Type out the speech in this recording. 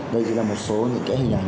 đây chỉ là một số những hình ảnh